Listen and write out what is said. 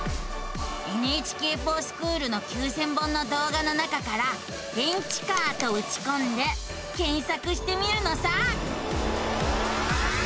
「ＮＨＫｆｏｒＳｃｈｏｏｌ」の９，０００本の動画の中から「電池カー」とうちこんで検索してみるのさ。